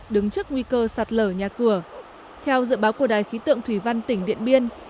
đứng trước nguy cơ sạt lở nhà cửa theo dự báo của đài khí tượng thủy văn tỉnh điện biên